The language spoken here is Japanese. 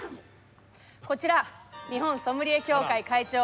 こちら日本ソムリエ協会会長